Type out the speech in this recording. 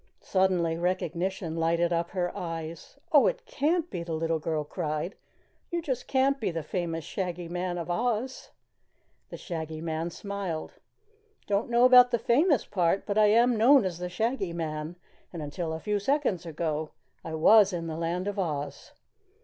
Suddenly recognition lighted up her eyes. "Oh, it can't be!" the little girl cried. "You just can't be the famous Shaggy Man of Oz!" The Shaggy Man smiled. "Don't know about the famous part, but I am known as the Shaggy Man, and until a few seconds ago I was in the Land of Oz."